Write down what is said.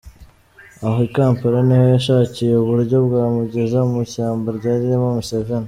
Aho i Kampala niho yashakiye uburyo bwamugeza mu ishyamba ryarimo Museveni.